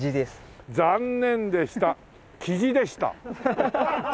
残念でしたキジでした。